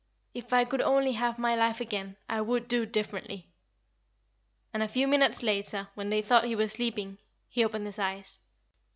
"If I could only have my life again, I would do differently;" and a few minutes later, when they thought he was sleeping, he opened his eyes.